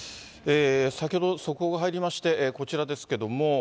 先ほど速報が入りまして、こちらですけれども。